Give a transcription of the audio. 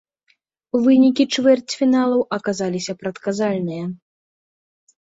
Вынікі чвэрцьфіналаў аказаліся прадказальныя.